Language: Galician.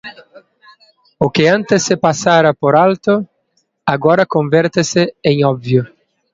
O que antes se pasara por alto, agora convértese en obvio.